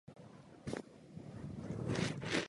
Sám sebe považoval za žáka Františka Slavíka a Cyrila Purkyně.